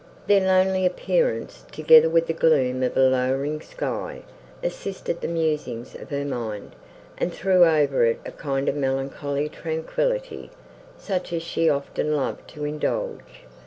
Their lonely appearance, together with the gloom of a lowering sky, assisted the musings of her mind, and threw over it a kind of melancholy tranquillity, such as she often loved to indulge.